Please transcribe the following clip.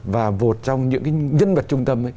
và một trong những nhân vật trung tâm